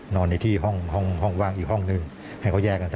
นอนในที่ห้องว่างอีกห้องหนึ่งให้เขาแยกกันสิ